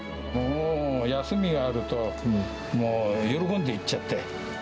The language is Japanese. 休みがあると、もう喜んで行っちゃって。